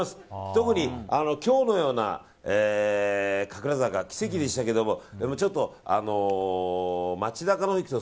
特に今日のような神楽坂は奇跡でしたけどちょっと街中だと